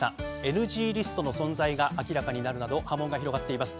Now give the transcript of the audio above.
ＮＧリストの存在が明らかになるなど波紋が広がっています。